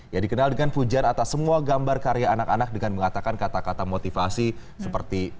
ya dikenal dengan pujian atas semua gambar karya anak anak dengan mengatakan kata kata motivasi seperti